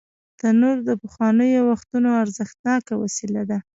تنور د پخوانیو وختونو ارزښتناکه وسیله ده